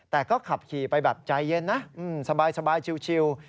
แต่ก็ขับขี่ไปแบบใจเย็นนะสบายชิว